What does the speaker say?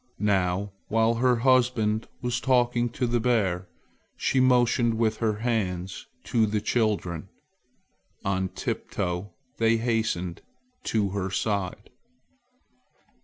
Now, while her husband was talking to the bear, she motioned with her hands to the children. On tiptoe they hastened to her side.